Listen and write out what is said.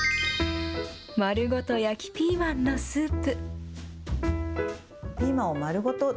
まるごと焼きピーマンのスープ。